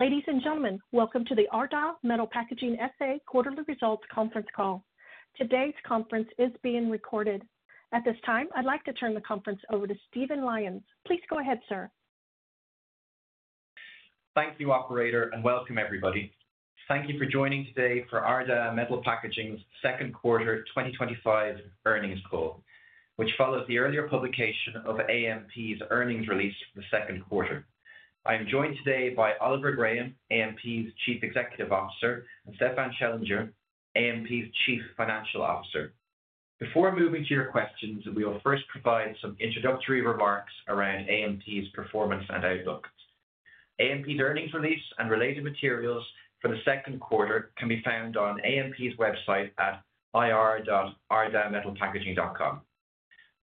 Ladies and gentlemen, welcome to the Ardagh Metal Packaging S.A. Quarterly Results conference call. Today's conference is being recorded. At this time, I'd like to turn the conference over to Stephen Lyons. Please go ahead, sir. Thank you, operator, and welcome, everybody. Thank you for joining today for Ardagh Metal Packaging's second quarter 2025 earnings call, which follows the earlier publication of AMP's earnings release for the second quarter. I am joined today by Oliver Graham, AMP's Chief Executive Officer, and Stefan Schellinger, AMP's Chief Financial Officer. Before moving to your questions, we will first provide some introductory remarks around AMP's performance and outlook. AMP's earnings release and related materials for the second quarter can be found on AMP's website at ir.ardaghmetalpackaging.com.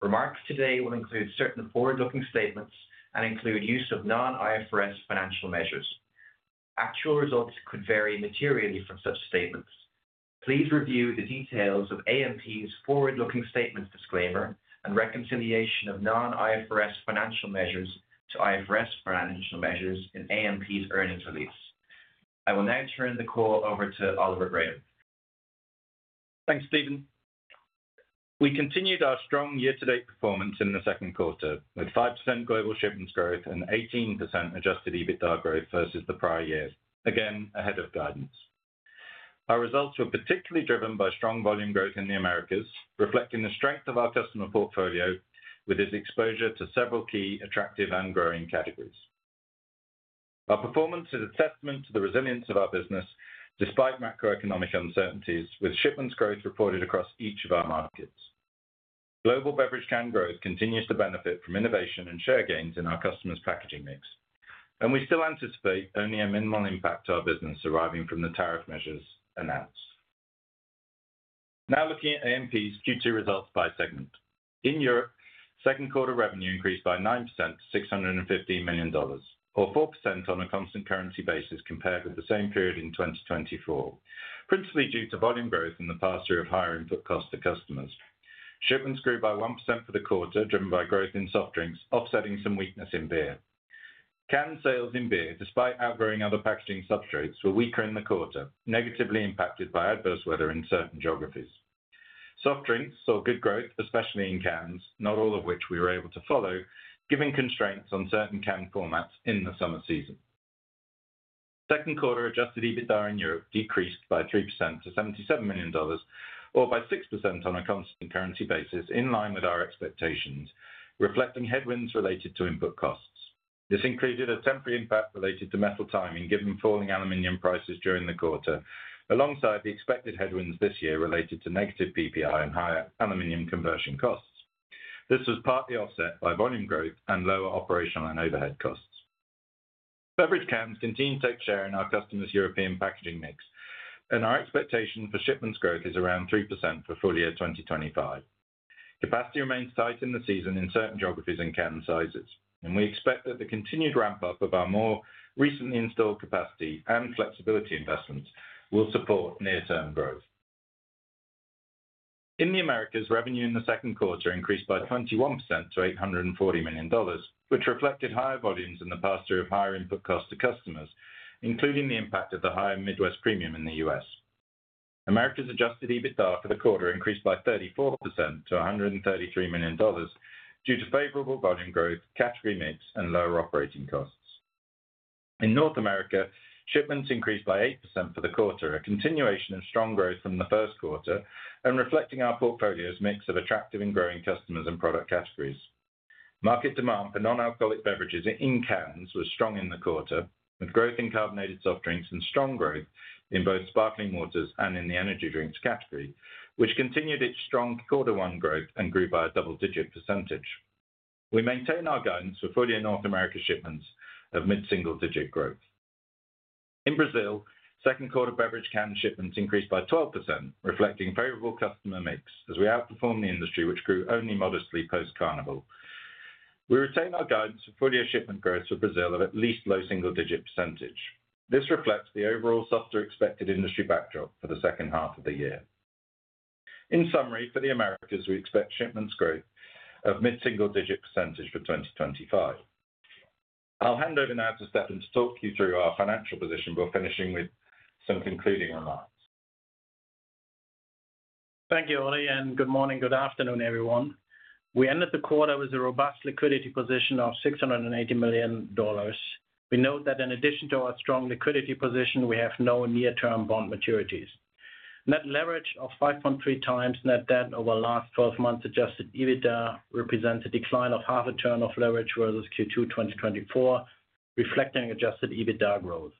Remarks today will include certain forward-looking statements and include use of non-IFRS financial measures. Actual results could vary materially from such statements. Please review the details of AMP's forward-looking statements, disclaimer, and reconciliation of non-IFRS financial measures to IFRS financial measures in AMP's earnings release. I will now turn the call over to Oliver Graham. Thanks, Stephen. We continued our strong year-to-date performance in the second quarter with 5% global shipments growth and 18% adjusted EBITDA growth versus the prior year, again ahead of guidance. Our results were particularly driven by strong volume growth in the Americas, reflecting the strength of our customer portfolio with its exposure to several key attractive and growing categories. Our performance is a testament to the resilience of our business despite macroeconomic uncertainties, with shipments growth reported across each of our markets. Global beverage can growth continues to benefit from innovation and share gains in our customers' packaging mix, and we still anticipate only a minimal impact to our business arriving from the tariff measures announced. Now, looking at AMP's Q2 results by segment, in Europe, second quarter revenue increased by 9% to $615 million, or 4% on a constant currency basis compared with the same period in 2024, principally due to volume growth in the past year of higher input costs to customers. Shipments grew by 1% for the quarter, driven by growth in soft drinks offsetting some weakness in beer. Can sales in beer, despite outgrowing other packaging substrates, were weaker in the quarter, negatively impacted by adverse weather in certain geographies. Soft drinks saw good growth, especially in cans, not all of which we were able to follow given constraints on certain can formats in the summer season. Second quarter adjusted EBITDA in Europe decreased by 3% to $77 million or by 6% on a constant currency basis in line with our expect reflecting headwinds related to input costs. This included a temporary impact related to metal timing given falling aluminum prices during the quarter, alongside the expected headwinds this year related to negative PPI and higher aluminum conversion costs. This was partly offset by volume growth and lower operational and overhead costs. Beverage cans continue to take share in our customers' European packaging mix and our expectation for shipments growth is around 3% for full year 2025. Capacity remains tight in the season in certain geographies and can end sizes, and we expect that the continued ramp up of our more recently installed capacity and flexibility investments will support near term growth. In the Americas, revenue in the second quarter increased by 21% to $840 million, which reflected higher volumes and the pass through of higher input costs to customers, including the impact of the higher Midwest premium in the U.S. Americas adjusted EBITDA for the quarter increased by 34% to $133 million due to favorable volume growth, category mix, and lower operating costs. In North America, shipments increased by 8% for the quarter, a continuation of strong growth from the first quarter and reflecting our portfolio's mix of attractive and growing customers and product categories. Market demand for non-alcoholic beverages in cans was strong in the quarter with growth in carbonated soft drinks and strong growth in both sparkling waters and in the energy drinks category, which continued its strong quarter one growth and grew by a double digit percentage. We maintain our guidance for full year in North America shipments of mid single digit growth. In Brazil, second quarter beverage can shipments increased by 12% reflecting favorable customer mix as we outperformed the industry, which grew only modestly post Carnival. We retain our guidance for full year shipment growth for Brazil of at least low single digit percentage. This reflects the overall softer expected industry backdrop for the second half of the year. In summary, for the Americas we expect shipments growth of mid single digit percentage for 2025. I'll hand over now to Stefan to talk you through our financial position before finishing with some concluding remarks. Thank you, Oli, and good morning. Good afternoon, everyone. We ended the quarter with a robust liquidity position of $680 million. We note that in addition to our strong liquidity position, we have no near-term bond maturities. Net leverage of 5.3x net debt over last 12 months. Adjusted EBITDA represents a decline of half a turn of leverage versus Q2 2024, reflecting adjusted EBITDA growth.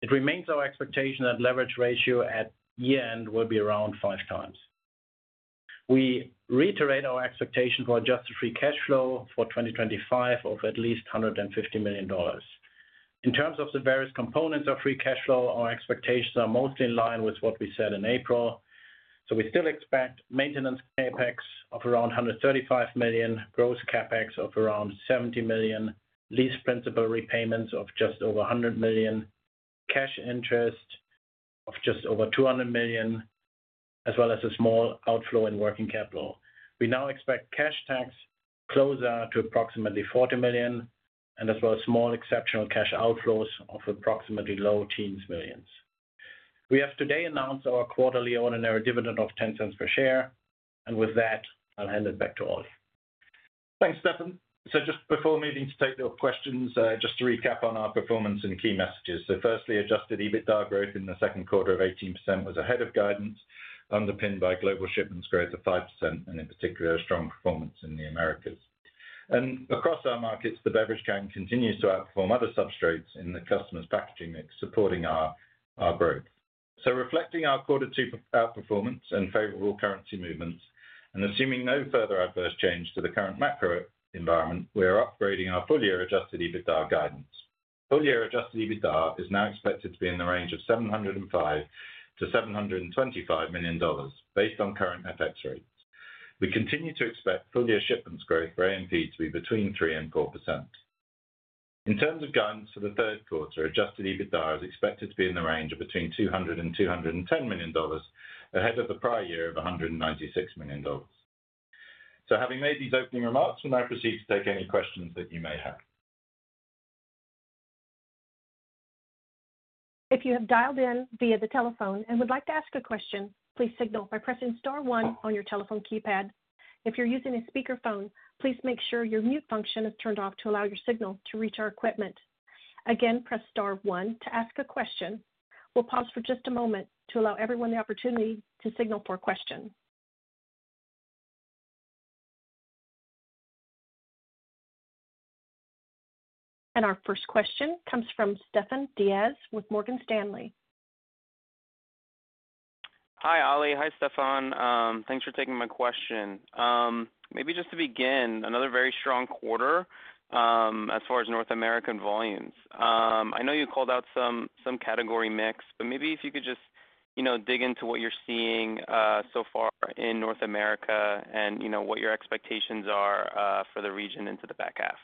It remains our expectation that leverage ratio at year end will be around five times. We reiterate our expectation for adjusted free cash flow for 2025 of at least $150 million. In terms of the various components of free cash flow, our expectations are mostly in line with what we said in April. We still expect maintenance CapEx of around $135 million, gross CapEx of around $70 million, lease principal repayments of just over $100 million, cash interest of just over $200 million, as well as a small outflow in working capital. We now expect cash tax closer to approximately $40 million and as well as small exceptional cash outflows of approximately low teens millions. We have today announced our quarterly ordinary dividend of $0.10 per share, and with that, I'll hand it back to Oli. Thanks, Stefan. Just before moving to take your questions, just to recap on our performance and key messages. Firstly, adjusted EBITDA growth in the second quarter of 18% was ahead of guidance, underpinned by global shipments growth of 5% and in particular strong performance in the Americas and across our markets. The beverage can continues to outperform other substrates in the customer's packaging mix, supporting our growth. Reflecting our Q2 outperformance and favorable currency movements, and assuming no further adverse change to the current macro environment, we are upgrading our full year adjusted EBITDA guidance. Full year adjusted EBITDA is now expected to be in the range of $705 million-$725 million based on current FX rates. We continue to expect full year shipments growth for AMP to be between 3% and 4%. In terms of guidance for the third quarter, adjusted EBITDA is expected to be in the range of $200 million-$210 million, ahead of the prior year of $196 million. Having made these opening remarks, we'll now proceed to take any questions that you may have. If you have dialed in via the telephone and would like to ask a question, please signal by pressing star 1 on your telephone keypad. If you're using a speakerphone, please make sure your mute function is turned off to allow your signal to reach our equipment. Again, press star 1 to ask a question. We'll pause for just a moment to allow everyone the opportunity to signal for a question. Our first question comes from Stefan Diaz with Morgan Stanley. Hi Oli. Hi Stefan. Thanks for taking my question. Maybe just to begin, another very strong quarter as far as North American volumes. I know you called out some category mix, but maybe if you could just dig into what you're seeing so far in North America and what your expectations are for the region into the back half.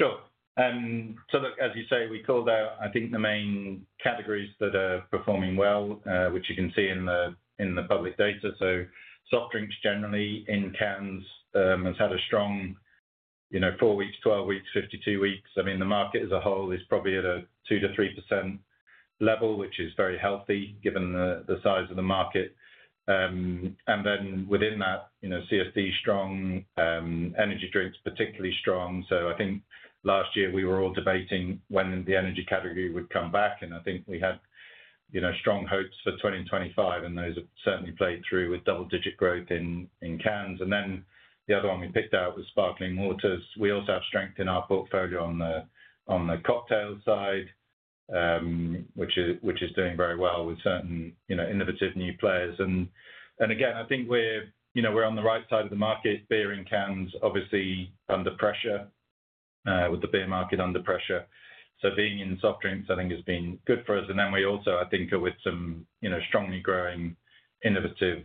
Sure. As you say, we called out, I think the main categories that are performing well, which you can see in the public data. Soft drinks generally in cans have had a strong 4 weeks, 12 weeks, 52 weeks. The market as a whole is probably at a 2%-3% level, which is very healthy given the size of the market. Within that, CSD, strong energy drinks, particularly strong. Last year we were all debating when the energy category would come back and I think we had strong hopes for 2025 and those have certainly played through with double-digit growth in cans. The other one we picked out was sparkling waters. We also have strength in our portfolio on the cocktail side, which is doing very well with certain innovative new players. I think we're on the right side of the market. Beer in cans is obviously under pressure, with the beer market under pressure. Being in soft drinks has been good for us. We also are with some strongly growing, innovative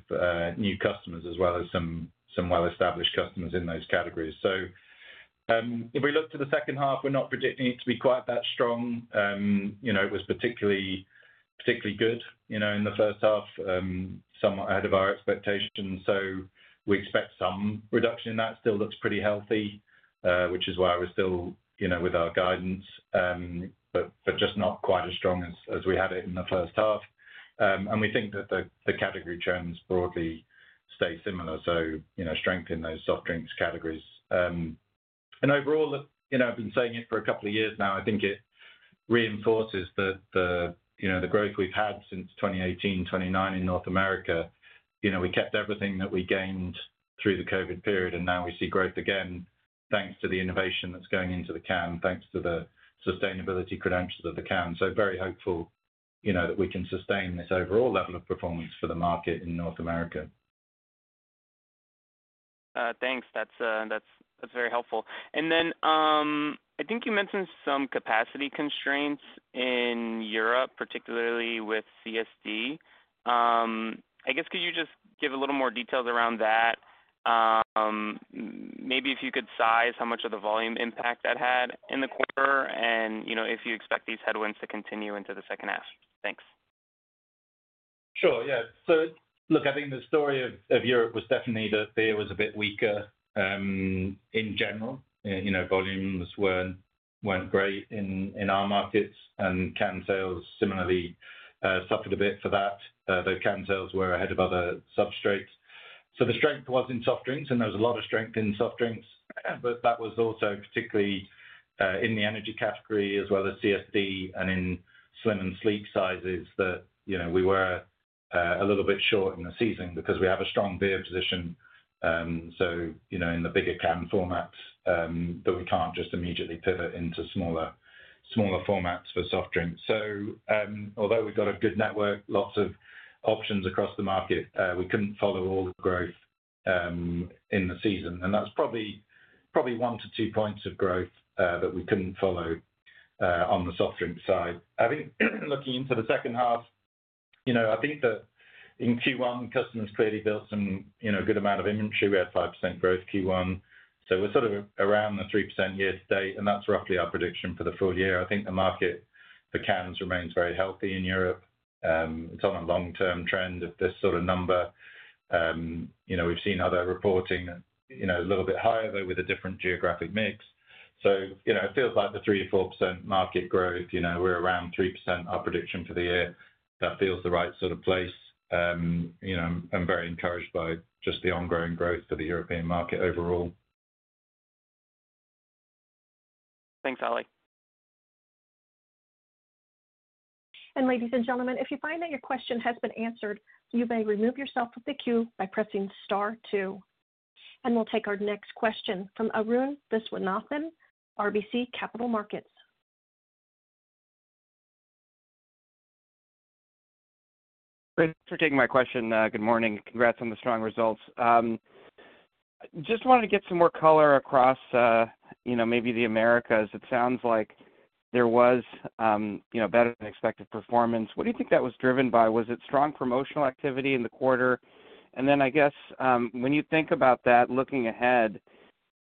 new customers as well as some well-established customers in those categories. If we look to the second half, we're not predicting it to be quite that strong. It was particularly good in the first half, somewhat ahead of our expectations. We expect some reduction in that. Still looks pretty healthy, which is why we're still with our guidance, but just not quite as strong as we had it in the first half. We think that the category trends broadly stay similar, so strength in those soft drinks categories. Overall, I've been saying it for a couple of years now. I think it reinforces the growth we've had since 2018, 2019 in North America. We kept everything that we gained through the COVID period and now we see growth again thanks to the innovation that's going into the can, thanks to the sustainability credentials of the can. Very hopefully that we can sustain this overall level of performance for the market in North America. Thanks, that's very helpful. I think you mentioned some capacity constraints in Europe, particularly with CSD. I guess could you just give a little more details around that? Maybe if you could size how much of the volume impact that had in the quarter, and if you expect these headwinds to continue into the second half. Thanks. Sure. Yeah. Look, I think the story of Europe was definitely that beer was a bit weaker in general. You know, volumes weren't great in our markets and can sales similarly suffered a bit for that, though can sales were ahead of other substrates. The strength was in soft drinks and there was a lot of strength in soft drinks, but that was also particularly in the energy category as well as CSD and in slim and sleek sizes that we were a little bit short in the season because we have a strong beer position. In the bigger can format, we can't just immediately pivot into smaller formats for soft drinks. Although we've got a good network, lots of options across the market, we couldn't follow all growth in the season. That's probably one to two points of growth that we couldn't follow on the soft drink side. I think looking into the second half, in Q1 customers clearly built some good amount of inventory. We had 5% growth, Q1, so we're sort of around the 3% year-to-date and that's roughly our prediction for the full year. I think the market for cans remains very healthy in Europe. It's on a long-term trend of this sort of number. We've seen others reporting a little bit higher though with a different geographic mix. It feels like the 3%-4% market growth, we're around 3% our prediction for the year. That feels the right sort of place. I'm very encouraged by just the ongoing growth for the European market overall. Thanks, Ali. If you find that your question has been answered, you may remove yourself from the queue by pressing star two. We'll take our next question from Arun Viswanathan, RBC Capital Markets. Thanks for taking my question. Good morning. Congrats on the strong results. Just wanted to get some more color across, you know, maybe the Americas. It sounds like there was, you know. Better than expected performance. What do you think that was driven by? Was it strong promotional activity in the quarter? When you think about that looking ahead,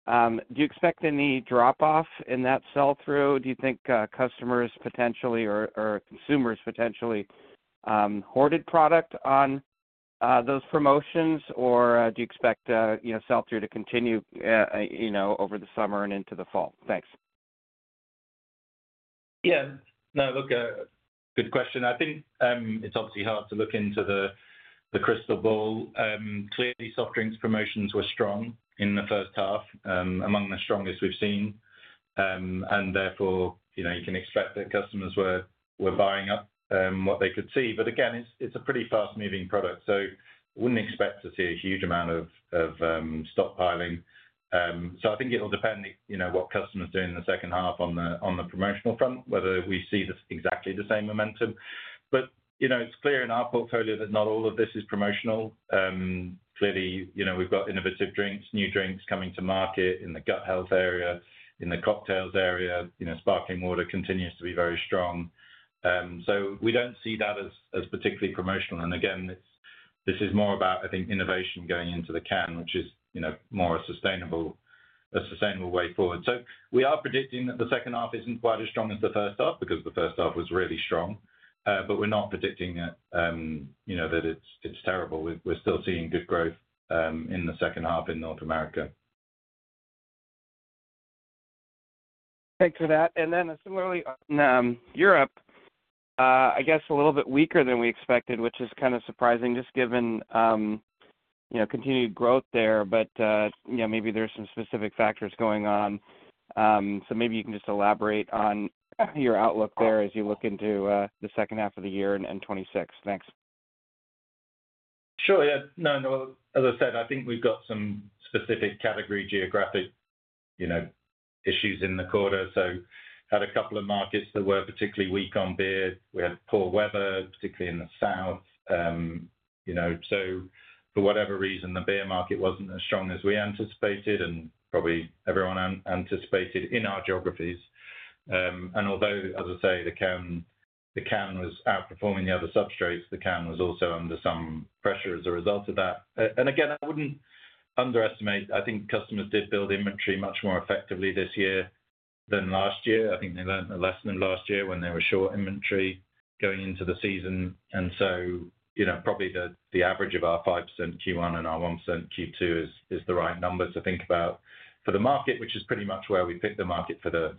do you expect any drop off in that sell through? Do you think customers potentially or consumers potentially hoarded product on those promotions, or do you expect sell through to continue? Over the summer and into the fall? Thanks. Yeah, look, good question. I think it's obviously hard to look into the crystal ball. Clearly, soft drinks promotions were strong in the first half, among the strongest we've seen. Therefore, you can expect that customers were buying up what they could see. Again, it's a pretty fast moving product, so wouldn't expect to see a huge amount of stockpiling. I think it will depend what customers do in the second half on the promotional front, whether we see exactly the same momentum. It's clear in our portfolio that not all of this is promotional. Clearly, we've got innovative drinks, new drinks coming to market in the gut health area, in the cocktails area. Sparkling water continues to be very strong. We don't see that as particularly promotional. This is more about, I think, innovation going into the can, which is more sustainable, a sustainable way forward. We are predicting that the second half isn't quite as strong as the first half because the first half was really strong. We're not predicting that it's terrible. We're still seeing good growth in the second half in North America. Thanks for that. Europe, I guess a little bit weaker than we expected, which is kind of surprising just given continued growth there. Maybe there's some specific factors going on. Maybe you can just elaborate on your outlook there as you look into the second half of the year. Thanks. Yeah, as I said, I think we've got some specific category geographic issues in the quarter. We had a couple of markets that were particularly weak on beer. We had poor weather, particularly in the south, so for whatever reason, the beer market wasn't as strong as we anticipated and probably everyone anticipated in our geographies. Although, as I say, the can was outperforming the other substrates, the can was also under some pressure as a result of that. I wouldn't underestimate, I think customers did build inventory much more effectively this year than last year. I think they learned a lesson last year when they were short inventory going into the season. Probably the average of our 5% Q1 and our 1% Q2 is the right number to think about for the market, which is pretty much where we picked the market for the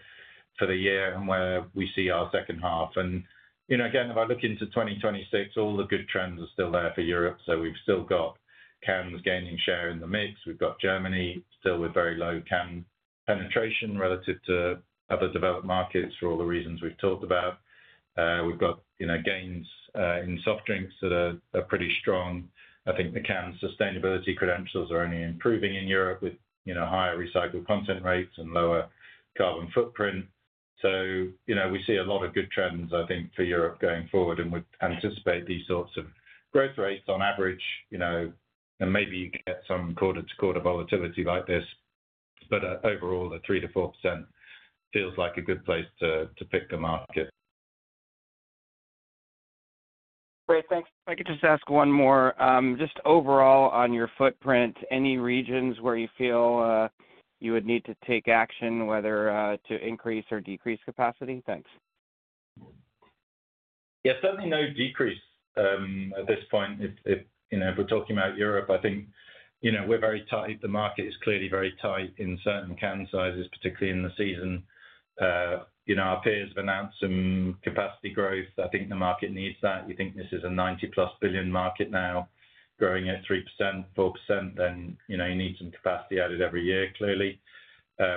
year and where we see our second half. If I look into 2026, all the good trends are still there for Europe. We've still got cans gaining share in the mix. We've got Germany still with very low can penetration relative to other developed markets for all the reasons we've talked about. We've got gains in soft drinks that are pretty strong. I think the can's sustainability credentials are only improving in Europe with higher recycled content rates and lower carbon footprint. We see a lot of good trends for Europe going forward and would anticipate these sorts of growth rates on average, and maybe you get some quarter-to-quarter volatility like this. Overall, the 3%-4% feels like a good place to pick the market. Great, thanks. I could just ask one more, just overall, on your footprint, any regions where you feel you would need to take action, whether to increase or decrease capacity? Yes, certainly no decrease at this point. If we're talking about Europe, I think we're very tight. The market is clearly very tight in certain can sizes, particularly in the season. Our peers have announced some capacity growth. I think the market needs that. You think this is a $90 billion plus market now growing at 3%, 4%, then you need some capacity added every year. Clearly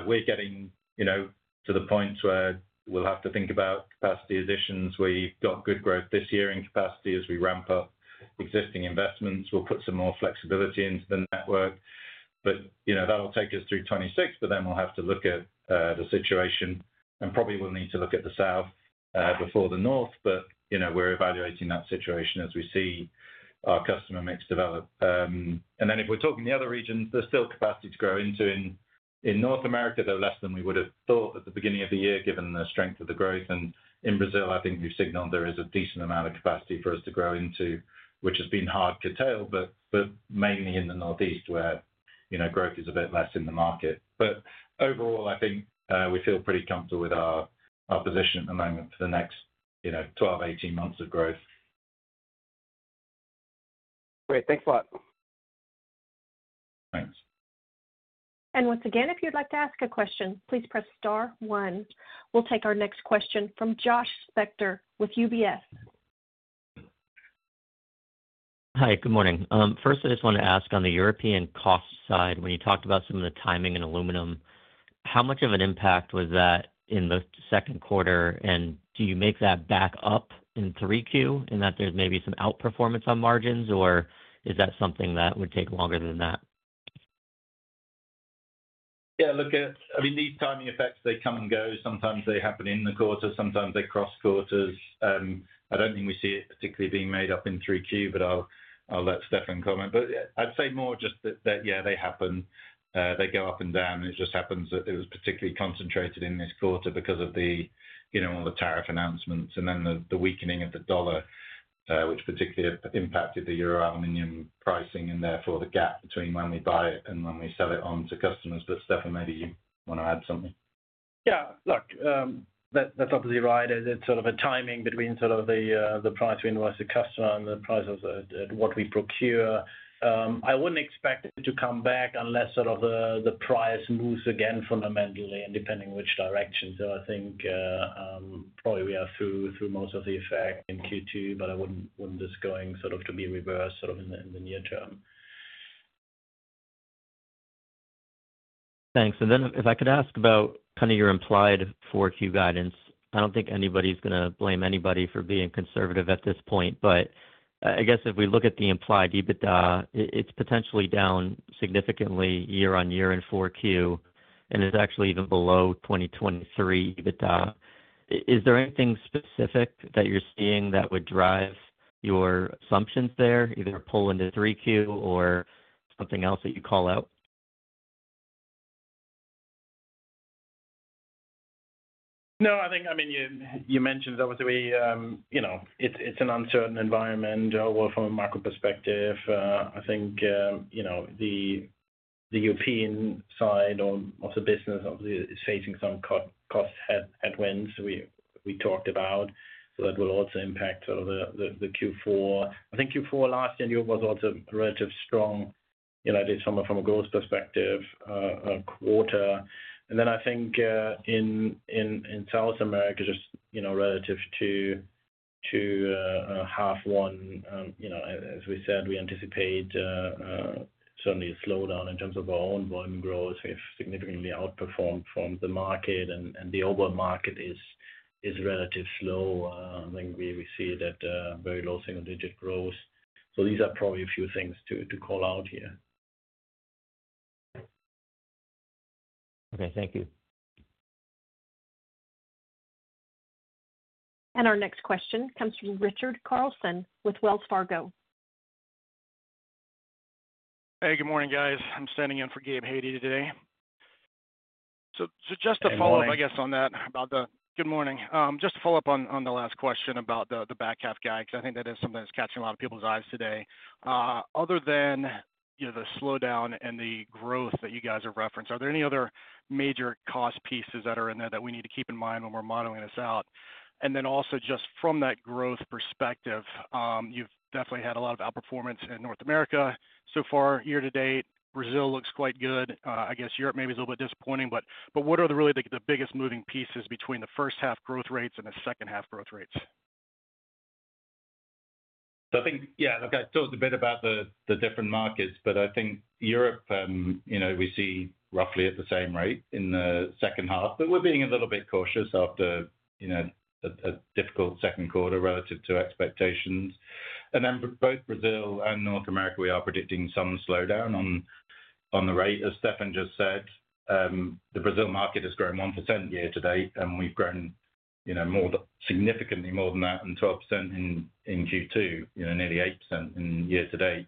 we're getting to the point where we'll have to think about capacity additions. We've got good growth this year in capacity. As we ramp up existing investments, we'll put some more flexibility into the network, but that will take us through 2026. We'll have to look at the situation and probably will need to look at the south before the north. We're evaluating that situation as we see our customer mix develop. If we're talking the other regions, there's still capacity to grow into in North America, though less than we would have thought at the beginning of the year, given the strength of the growth. In Brazil, I think we've signaled there is a decent amount of capacity for us to grow into, which has been hard curtailed, mainly in the Northeast where growth is a bit less in the market. Overall, I think we feel pretty comfortable with our position at the moment for the next 12, 18 months of growth. Great. Thanks a lot. Thanks. Once again, if you'd like to ask a question, please press star one. We'll take our next question from Josh Spector with UBS. Hi, good morning. First, I just want to ask, on the European cost side, when you talked about some of the timing in aluminum, how much of an impact was that in the second quarter, and do you make that back up in 3Q, and that there's maybe some outperformance on margins, or is that something that would take longer than that? Yeah, look at, I mean, these timing effects, they come and go. Sometimes they happen in the quarter, sometimes they cross quarters. I don't think we see it particularly being made up in 3Q, but I'll let Stefan comment. I'd say more just that, yeah, they happen. They go up and down. It just happens that it was particularly concentrated in this quarter because of all the tariff announcements and then the weakening of the dollar, which particularly impacted the euro aluminum pricing and therefore the gap between when we buy it and when we sell it on to customers. But Stefan, maybe you want to add something. Yeah, look, that's obviously right. It's sort of a timing between the price we invoice the customer and the price of what we procure. I wouldn't expect it to come back unless the price moves again fundamentally and depending which direction. I think probably we are through most of the effect in Q2, but I wouldn't see this going to be reversed in the near term. Thanks. If I could ask about your implied 4Q guidance, I don't think anybody's going to blame anybody for being conservative at this point. I guess if we look at the implied EBITDA, it's potentially down significantly year on year in 4Q, and it's actually even below 2023 EBITDA. Is there anything specific that you're seeing that would drive your assumptions there, either pull into 3Q or something else that you call out? No, I think, I mean you mentioned obviously it's an uncertain environment from a macro perspective. I think the European side of the business is facing some cost headwinds we talked about. That will also impact the Q4. I think Q4 last year was also relatively strong from a growth perspective, and then I think in South America, just relative to half one, as we said, we anticipate certainly a slowdown in terms of our own volume growth. We've significantly outperformed the market, and the overall market is relatively slow. I think we see that very low single digit growth. These are probably a few things to call out here. Okay, thank you. Our next question comes from Richard Carlson with Wells Fargo. Hey, good morning guys. I'm standing in for Gabe Hajde today. Just to follow up, I guess, on that about the good morning. Just to follow up on the last question about the back half guide, because I think that is something that's catching a lot of people's eyes today. Other than the slowdown in the growth that you guys have referenced, are there any other major cost pieces that are in there that we need to keep in mind when we're modeling this out? Also, just from that growth perspective, you've definitely had a lot of outperformance in North America so far year-to-date. Brazil looks quite good. I guess Europe maybe is a little bit disappointing. But what are really the biggest moving pieces between the first half growth rates and the second half growth rates? I think, yeah, talked a bit about the different markets, but I think Europe, we see roughly at the same rate in the second half, but we're being a little bit cautious after a difficult second quarter relative to expectations. Both Brazil and North America, we are predicting some slowdown on the rate. As Stefan just said, the Brazil market has grown 1% year-to-date, and we've grown more significantly more than that, and 12% in Q2, nearly 8% in year-to-date.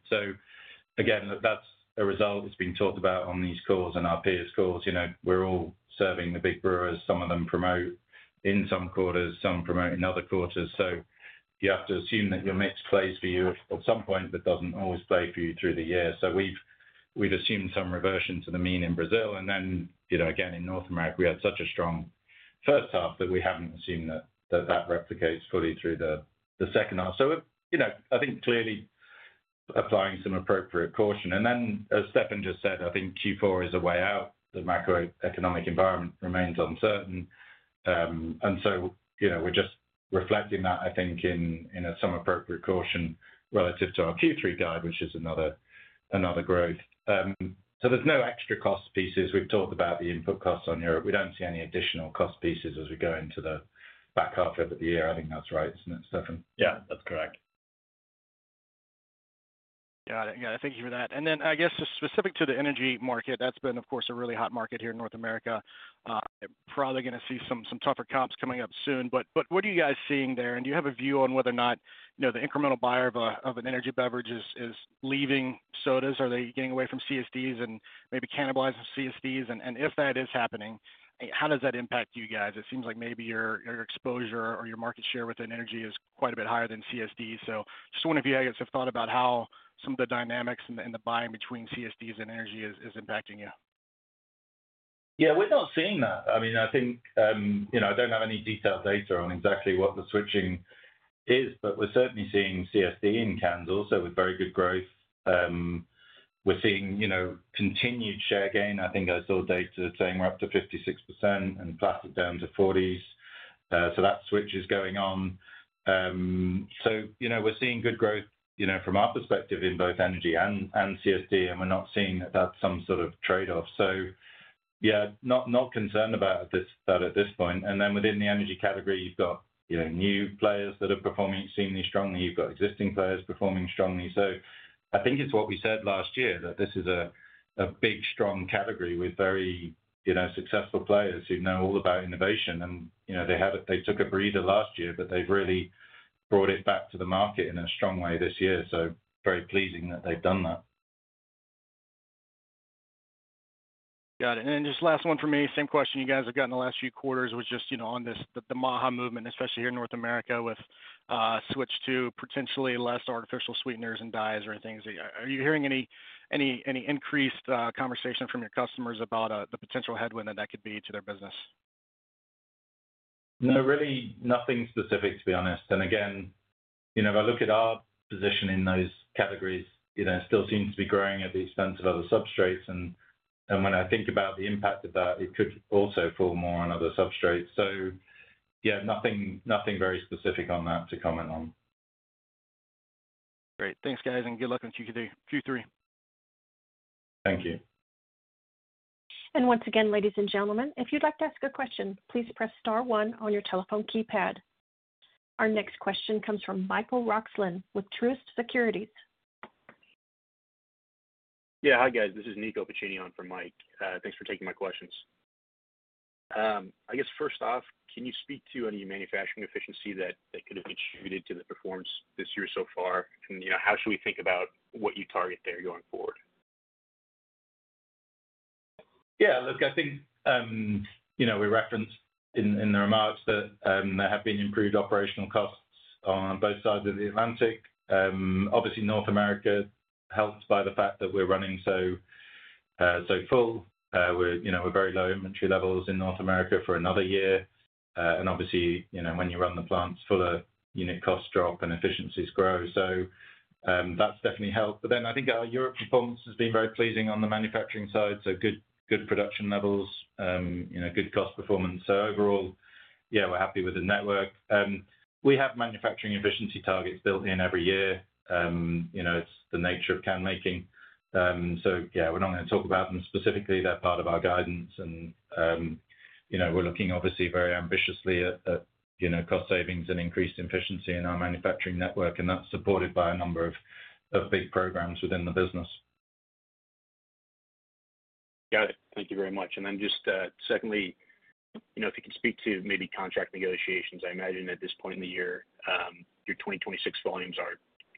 That's a result that's being talked about on these calls and our peers' calls. We're all serving the big brewers. Some of them promote in some quarters, some promote in other quarters. You have to assume that your mix plays for you at some point, but doesn't always play for you through the year. We've assumed some reversion to the mean in Brazil. Again, in North America, we had such a strong first half that we haven't assumed that that replicates fully through the second half. I think clearly applying some appropriate caution. As Stefan just said, I think Q4 is a way out. The macroeconomic environment remains uncertain, and we're just reflecting that, I think, in some appropriate caution relative to our Q3 guide, which is another growth. There's no extra cost pieces. We've talked about the input costs on Europe. We don't see any additional cost pieces as we go into the back half of the year. I think that's right, isn't it, Stefan? Yeah, that's correct. Got it. Thank you for that. I guess specific to the energy market, that's been, of course, a really hot market here in North America. Probably going to see some tougher comps coming up soon. What are you guys seeing there? Do you have a view on whether or not the incremental buyer of energy drinks is leaving sodas? Are they getting away from CSDs and maybe cannibalizing CSDs? If that is happening, how does that impact you guys? It seems like maybe your exposure or your market share within energy is quite a bit higher than CSD. Just wondering if you guys have thought about how some of the dynamics and the buying between CSDs and energy is impacting you. Yeah, we're not seeing that. I mean, I think I don't have any detailed data on exactly what the switching is, but we're certainly seeing CSD in cans also with very good growth. We're seeing continued share gain. I think I saw data saying we're up to 56% and plastic down to 40%. That switch is going on. We're seeing good growth from our perspective in both energy and CSD, and we're not seeing that some sort of trade-off. Yeah, not concerned about that at this point. Within the energy category, you've got new players that are performing seemingly strongly, you've got existing players performing strongly. I think it's what we said last year that this is a big, strong category with very successful players who know all about innovation. They took a breather last year, but they've really brought it back to the market in a strong way this year. Very pleasing that they've done that. Got it. Just last one for me, same question you guys have gotten the last few quarters, was just, you know, on this, the MAHA movement, especially here in North America with switch to potentially less artificial sweeteners and dyes or anything. Are you hearing any increased conversation from your customers about the potential headwind that that could be to their business? No, nothing specific, to be honest. If I look at our position in those categories, it still seems to be growing at the expense of other substrates. When I think about the impact of that, it could also fall more on other substrates. Nothing very specific on that to comment on. Great, thanks guys, and good luck on Q3. Thank you. Once again, ladies and gentlemen, if you'd like to ask a question, please press star one on your telephone keypad. Our next question comes from Michael Roxland with Truist Securities. Yeah, hi guys, this is Nicco Piccini on for Mike. Thanks for taking my questions. I guess first off, can you speak to any manufacturing efficiency that could have contributed to the performance this year so far? How should we think about what you target there going forward? Yeah, look, I think, you know, we referenced in the remarks that there have been improved operational costs on both sides of the Atlantic. Obviously, North America helped by the fact that we're running so, so full. We're, you know, we're very low inventory levels in North America for another year. Obviously, you know, when you run the plants full, unit costs drop and efficiencies grow. That's definitely helped. I think our Europe performance has been very pleasing on the manufacturing side. Good production levels, you know, good cost performance. Overall, yeah, we're happy with the network. We have manufacturing efficiency targets built in every year. You know, it's the nature of can making. We're not going to talk about them specifically. They're part of our guidance and, you know, we're looking obviously very ambitiously at cost savings and increased efficiency in our manufacturing network and that's supported by a number of big programs within the business. Got it, thank you very much. Then just secondly, you know, if you can speak to maybe contract negotiations, I imagine at this point in the year your 2026 volumes are,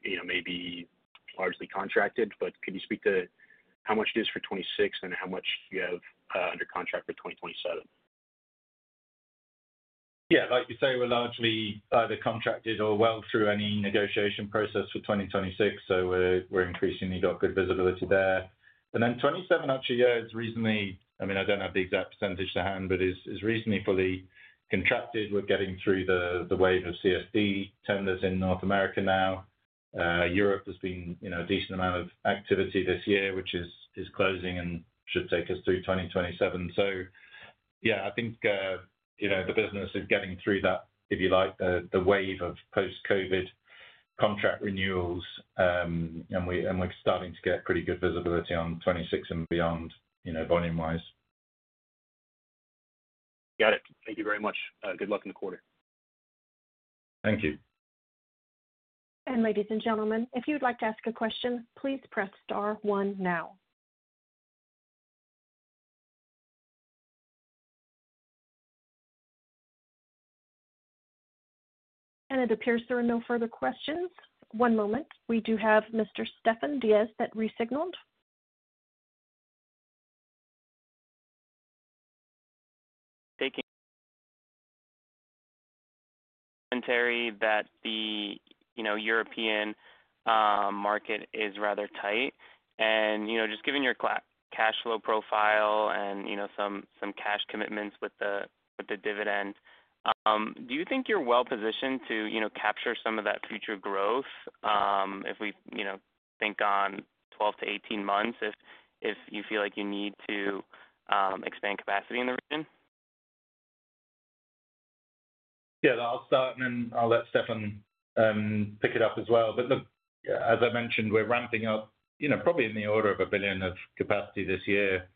you know, maybe largely contracted, but could you speak to how much it is for 2026 and how much you have under contract for 2027? Yeah, like you say, we're largely either contracted or well through any negotiation process for 2026. We're increasingly got good visibility there. Then 2027 actually, yeah, it's recently, I mean I don't have the exact percentage to hand but is recently fully contracted. We're getting through the wave of CSD tenders in North America now. Europe has been a decent amount of activity this year which is closing and should take us through 2027. I think the business is getting through that, if you like, the wave of post-Covid contract renewals and we're starting to get pretty good visibility on 2026 and beyond volume wise. Got it. Thank you very much. Good luck in the quarter. Thank you. Ladies and gentlemen, if you would like to ask a question, please press star one now. It appears there are no further questions. One moment. We do have Mr. Stefan Diaz that resignaled. Taking commentary that the European market is rather tight, and just given your cash flow profile and some cash commitments with the dividend, do you think you're well positioned to capture some of that future growth? If we think on 12-18 months, if you feel like you need to expand capacity in the region. Yeah, I'll start and then I'll let Stefan pick it up as well. As I mentioned, we're ramping up, you know, probably in the order of a billion of capacity this year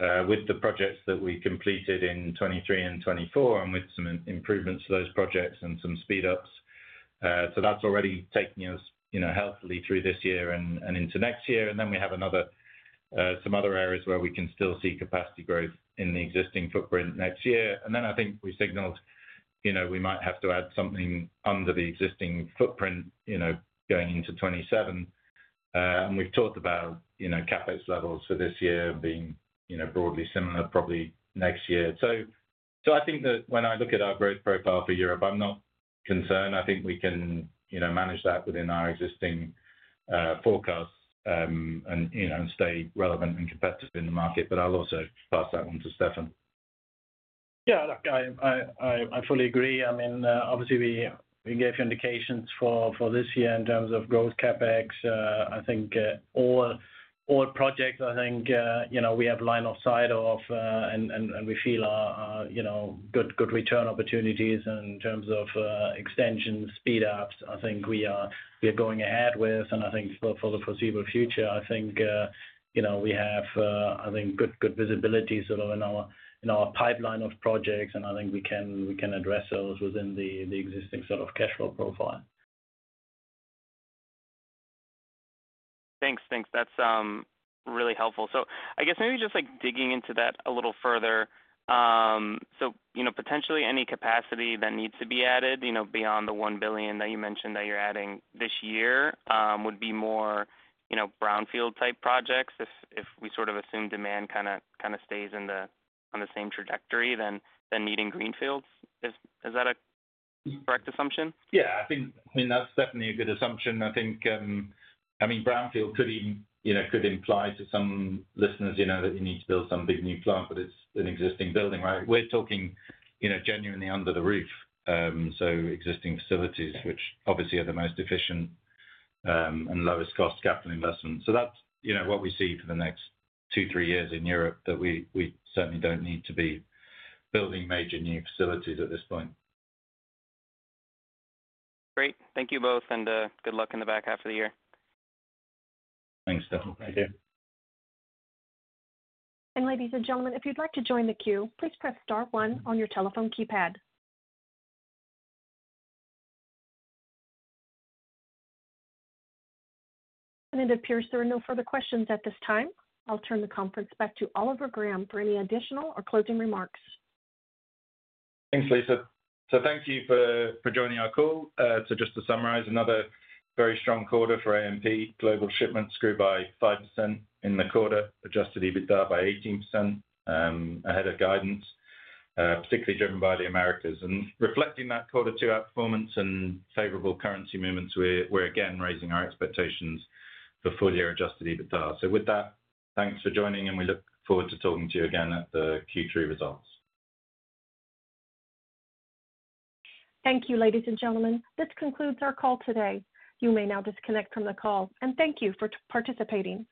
with the projects that we completed in 2023 and 2024 and with some improvements to those projects and some speed ups. That's already taking us healthily through this year and into next year. We have some other areas where we can still see capacity growth in the existing footprint next year. I think we signaled we might have to add something under the existing footprint going into 2027 and we've talked about CapEx levels for this year being broadly similar probably next year. I think that when I look at our growth profile for Europe, I'm not concerned. I think we can manage that within our existing forecast and stay relevant and competitive in the market. I'll also pass that one to Stefan. Yeah, I fully agree. Obviously, we gave you indications for this year in terms of growth CapEx. I think all projects we have line of sight of and we feel good return opportunities in terms of extensions, speed ups, we are going ahead with, and for the foreseeable future, we have good visibility in our pipeline of projects and we can address those within the existing sort of cash flow profile. Thanks, that's really helpful. I guess maybe just digging into that a little further, potentially any capacity that needs to be added beyond the 1 billion that you mentioned that you're adding this year would be more brownfield type projects if we sort of assume demand kind of stays on the same trajectory than needing greenfields. Is that a correct assumption? Yeah, I think that's definitely a good assumption. Brownfield could imply to some listeners that you need to build some big new plant, but it's an existing building, right? We're talking, you know, genuinely under the roof. Existing facilities, which obviously are the most efficient and lowest cost capital investment. That's what we see for the next two, three years in Europe, that we certainly don't need to be building major new facilities at this point. Great, thank you both and good luck in the back half of the year. Thanks, Stefan. Thank you. Ladies and gentlemen, if you'd like to join the queue, please press star 1 on your telephone keypad. It appears there are no further questions at this time. I'll turn the conference back to Oliver Graham for any additional or closing remarks. Thanks, Lisa. Thank you for joining our call. Just to summarize, another very strong quarter for AMP. Global shipments grew by 5% in the quarter, adjusted EBITDA by 18% ahead of guidance, particularly driven by the Americas. Reflecting that Q2 outperformance and favorable currency movements, we're again raising our expectations for full year adjusted EBITDA. With that, thanks for joining and we look forward to talking to you again at the Q3 results. Thank you. Ladies and gentlemen, this concludes our call today. You may now disconnect from the call, and thank you for participating.